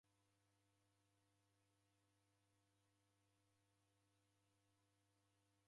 Agha maka ndeghiw'ew'wada modo.